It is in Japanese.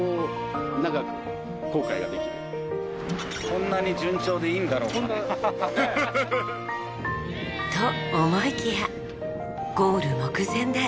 こんなに順調でいいんだろうか？と思いきやゴール目前で。